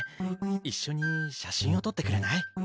一緒に写真を撮ってくれない？